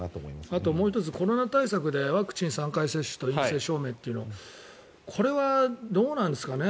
あともう１つコロナ対策でワクチン３回接種と陰性証明というのはこれはどうなんですかね。